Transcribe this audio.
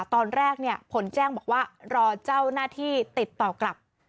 ตอนแรกเนี่ยผลแจ้งบอกว่ารอเจ้าหน้าที่ติดต่อกลับ